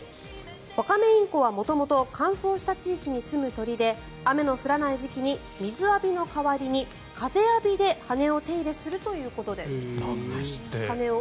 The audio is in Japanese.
オカメインコは元々、乾燥した地域にすむ鳥で雨の降らない時期に水浴びの代わりに風浴びで羽を手入れするということです。